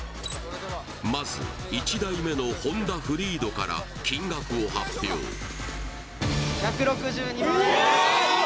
まず１台目のＨＯＮＤＡフリードから金額を発表１６２万円です